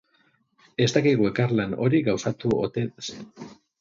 Ez dakigu elkarlan hori gauzatu ote zen.